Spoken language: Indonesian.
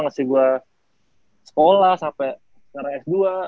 ngasih gue sekolah sampe ngerai s dua